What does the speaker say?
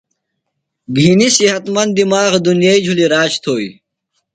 گھِنیۡ صحت مند دِماغ، دُنیئی جُھلیۡ راج تھوئیۡ